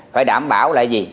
phải đảm bảo là gì